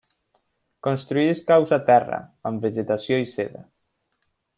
Construeix caus a terra, amb vegetació i seda.